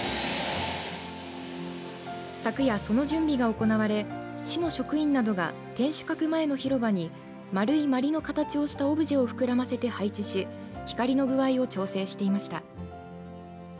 昨夜、その準備が行われ市の職員などが天守閣前の広場に丸いまりの形をしたオブジェを膨らませて配置し光の具合を調整していました。